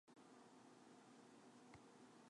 "From the corresponding Japanese Wikipedia article"